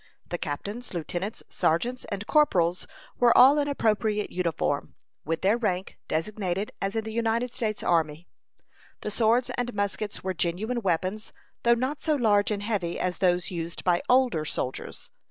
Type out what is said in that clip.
The captains, lieutenants, sergeants, and corporals were all in appropriate uniform, with their rank designated as in the United States army. The swords and muskets were genuine weapons, though not so large and heavy as those used by older soldiers.